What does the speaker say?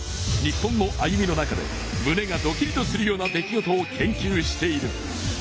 日本の歩みの中でむねがドキリとするような出来事を研究している。